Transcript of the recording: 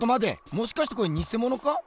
もしかしてこれニセモノか？